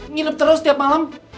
nginep terus tiap malam